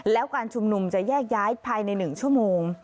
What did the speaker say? แล้วการชุมนุมจะแยกย้ายภายใน๑ชั่วโมง